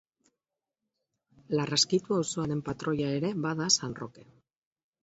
Larraskitu auzoaren patroia ere bada San Roke.